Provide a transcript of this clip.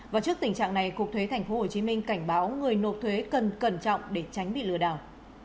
và trước tình trạng này cục thuế tp hcm cảnh báo người nộp thuế cần cẩn trọng để tránh bị lừa đảo